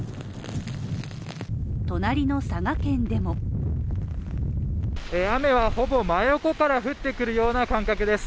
隣の佐賀県でも雨は、ほぼ真横から降ってくるような感覚です。